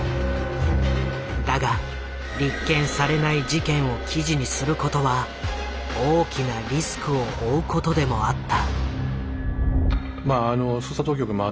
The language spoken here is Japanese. だが立件されない事件を記事にすることは大きなリスクを負うことでもあった。